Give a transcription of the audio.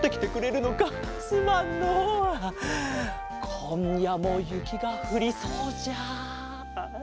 こんやもゆきがふりそうじゃ。